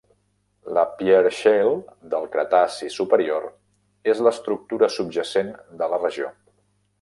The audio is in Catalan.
La Pierre Shale, del cretaci superior, és l'estructura subjacent de la regió.